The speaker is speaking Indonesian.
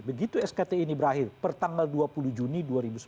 begitu skt ini berakhir pertanggal dua puluh juni dua ribu sembilan belas